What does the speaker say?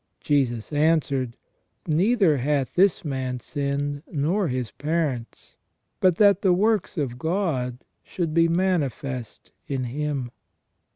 Jesus answered : "Neither hath this man sinned, nor his parents ; but that the works of God should be manifest in him".